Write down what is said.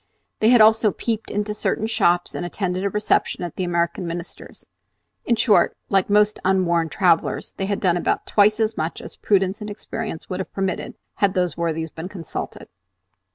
They had also peeped into certain shops, and attended a reception at the American Minister's, in short, like most unwarned travellers, they had done about twice as much as prudence and experience would have permitted, had those worthies been consulted.